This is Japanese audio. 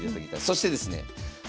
そしてですね